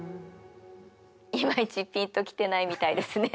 いまいちピンと来てないみたいですね。